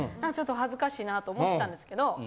ちょっと恥ずかしいなと思ってたんですけど。